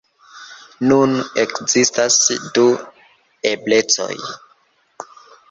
Nun ekzistas du eblecoj.